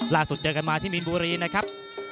ล่าสุดเจอกันมาที่มินบุรีครับ